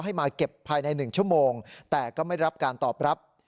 ให้มาเก็บภายใน๑ชั่วโมงแต่ก็ไม่รับการตอบรับ